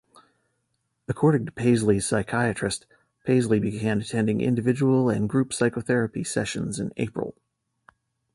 According to Paisley's psychiatrist, Paisley began attending individual and group psychotherapy sessions in April.